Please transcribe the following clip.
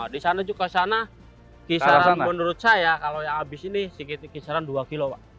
di sana juga sana kisaran menurut saya kalau yang habis ini kisaran dua kilo pak